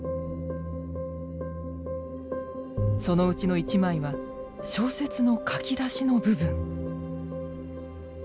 そのうちの一枚は小説の書き出しの部分。